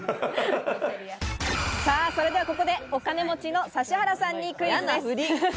それではここで、お金持ちの指原さんにクイズです。